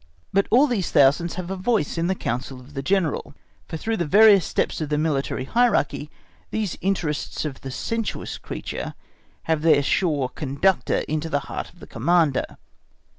But all these thousands have a voice in the council of the General, for through the various steps of the military hierarchy these interests of the sensuous creature have their sure conductor into the heart of the Commander.